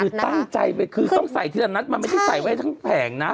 คือตั้งใจไปคือต้องใส่ทีละนัดมันไม่ใช่ใส่ไว้ทั้งแผงนะ